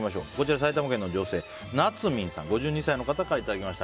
埼玉県の女性、５２歳の方からいただきました。